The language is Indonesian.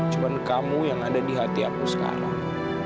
cuma kamu yang ada di hati aku sekarang